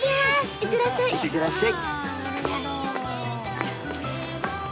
いってらっしゃい。